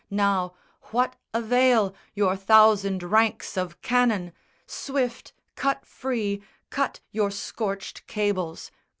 Now what avail Your thousand ranks of cannon? Swift, cut free, Cut your scorched cables!